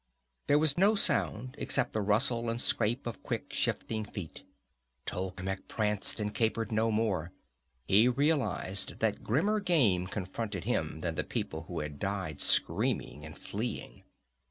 There was no sound except the rustle and scrape of quick shifting feet. Tolkemec pranced and capered no more. He realized that grimmer game confronted him than the people who had died screaming and fleeing.